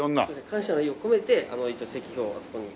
感謝の意を込めて一応石碑をあそこに。